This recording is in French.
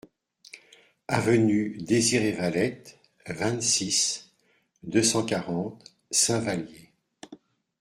Avenue Désiré Valette, vingt-six, deux cent quarante Saint-Vallier